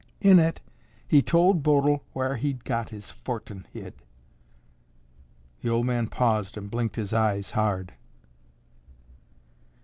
In it he tol' Bodil whar he'd got his fortin hid." The old man paused and blinked his eyes hard.